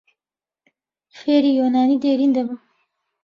فێری یۆنانیی دێرین دەبم.